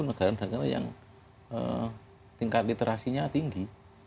negara negara yang tingkat literasinya tinggi